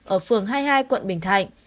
ở phường hai mươi hai quận bình thạnh